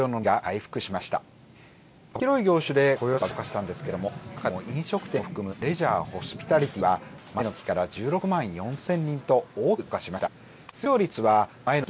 幅広い業種で雇用者数は増加したんですけども中でも飲食店を含む「レジャー・ホスピタリティー」は前の月から１６万４０００人と大きく増加しました。